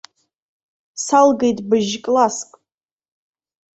Салгеит быжь-класск.